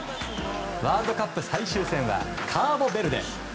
ワールドカップ最終戦はカーボベルデ。